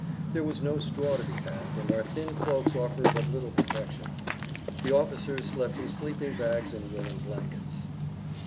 There was no straw to be had, and our thin cloaks offered but little protection. The officers slept in sleeping bags and woolen blankets.